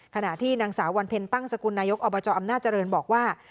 ขณะที่นางสาววันเพ็ญตั้งสกุลนายกอบจอำนาจเจริญบอกว่า